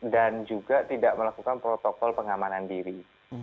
dan juga tidak melakukan protokol pengamanan diri